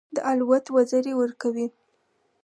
د الوت وزرې ورکوي.